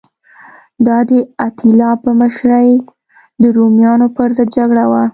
دا د اتیلا په مشرۍ د رومیانو پرضد جګړه وه